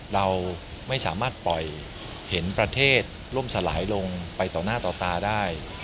เราไม่สามารถปล่อยเห็นประเทศล่มสลายลงไปต่อหน้าต่อตาได้